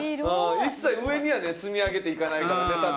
一切上にはね積み上げていかないから建物を。